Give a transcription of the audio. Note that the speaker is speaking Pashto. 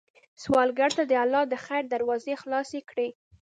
سوالګر ته الله د خیر دروازې خلاصې کړې